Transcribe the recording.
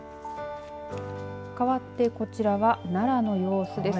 かわってこちらは奈良の様子です。